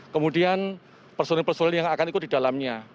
kemudian personil personil yang akan ikut di dalamnya